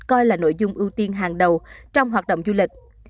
coi là nội dung ưu tiên hàng đầu trong hoạt động du lịch